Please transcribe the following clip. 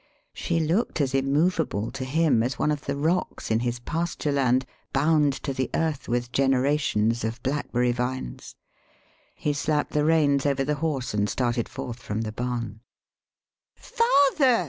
[She looked as immovable to him as one of the rocks in his pasture land, bound to the earth with generations of blackberry vines. He slap ped the reins over the horse and started forth from the barn.] "Father!"